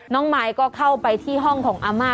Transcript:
มายก็เข้าไปที่ห้องของอาม่า